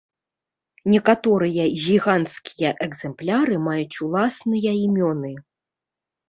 Некаторыя гіганцкія экзэмпляры маюць уласныя імёны.